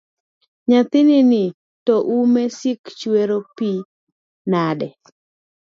Nyathinini to ume sik chwer pi nade?